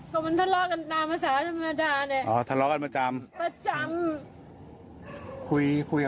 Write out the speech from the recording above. ก็มันทะเลาะกันตามภาษาธรรมดาเนี่ย